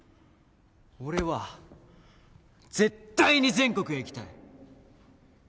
俺は絶対に全国へ行きたい！